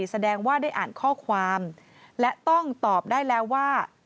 แสดงว่าได้อ่านข้อความและต้องตอบได้แล้วว่า